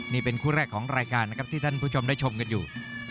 นี่เป็นคู่แรกของรายการนะครับที่ท่านผู้ชมได้ชมกันอยู่